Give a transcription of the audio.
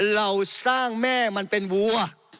เราสร้างแม่มันเป็นวัว